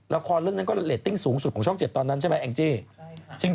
ละครเรื่องนั้นก็เรตติ้งสูงสุดของช่อง๗ตอนนั้นใช่ไหมแองจี้